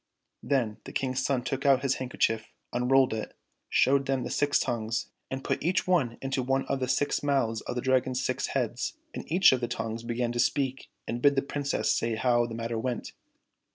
Then the King's son took out his handkerchief, unrolled it, showed them the six tongues, and put each one into one of the six mouths of the Dragon's six heads, and each of the tongues began to speak and bid the Princess say how the matter went.